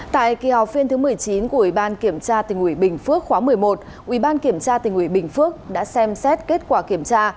tại kỳ họp phiên thứ một mươi chín của ubktnb phước khóa một mươi một ubktnb phước đã xem xét kết quả kiểm tra